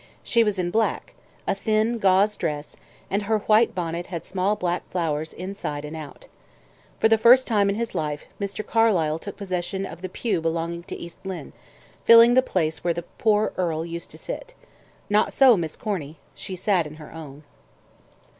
She was in black a thin gauze dress and her white bonnet had small black flowers inside and out. For the first time in his life, Mr. Carlyle took possession of the pew belonging to East Lynne, filling the place where the poor earl used to sit. Not so Miss Corny she sat in her own.